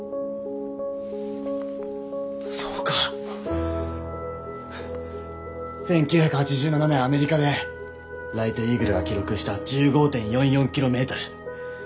そうか１９８７年アメリカでライトイーグルが記録した１５．４４キロメートル。